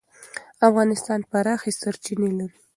افغانستان پراخې سرچینې لري.